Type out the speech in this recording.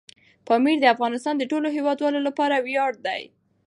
پامیر د افغانستان د ټولو هیوادوالو لپاره ویاړ دی.